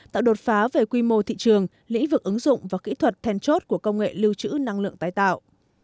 tạo đột phá về quy mô thị trường lĩnh vực ứng dụng và kỹ thuật then chốt của công nghệ lưu trữ năng lượng tái tạo